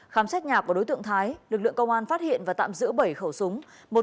khám xét nhà của đối tượng thái lực lượng công an phát hiện và tạm giữ bảy khẩu súng